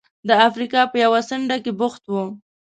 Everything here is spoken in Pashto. د افریقا په یوه څنډه کې بوخت و.